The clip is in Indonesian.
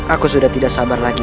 aku sudah tidak sabar lagi